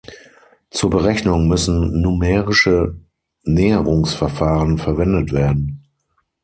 Zur Berechnung müssen numerische Näherungsverfahren verwendet werden.